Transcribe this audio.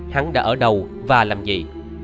hắn đã ở đâu và làm gì